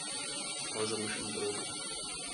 Rosa Luxemburgo